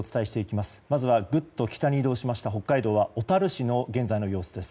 まずはグっと北に移動しました北海道小樽市の今の様子です。